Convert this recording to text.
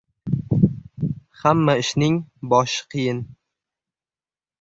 • Hamma ishning boshi qiyin.